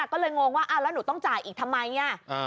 ก็เลยงงว่าแล้วหนูต้องจ่ายอีกทำไม